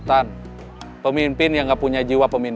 tapi gantinya darman